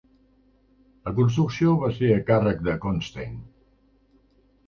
La construcció va ser a càrrec de Costain.